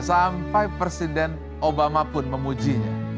sampai presiden obama pun memujinya